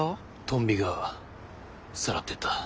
トンビがさらってった。